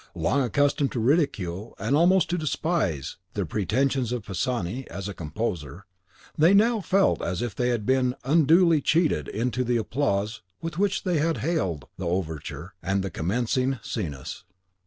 Long accustomed to ridicule and almost to despise the pretensions of Pisani as a composer, they now felt as if they had been unduly cheated into the applause with which they had hailed the overture and the commencing scenas.